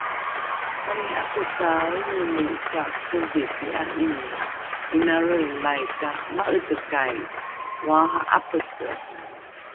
Kani 'akosaaenomi ka tovi pi'a'ina? 'Ina lrolai ka ma'etekai, oaha'apece